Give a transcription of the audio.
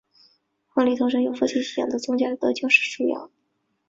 婚礼通常由夫妻信仰的宗教的教士主持。